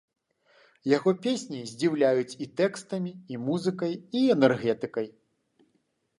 Яго песні здзіўляюць і тэкстамі, і музыкай, і энергетыкай.